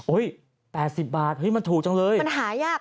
อุ๊ย๘๐บาทมันถูกจังเลยสมค่ะครับ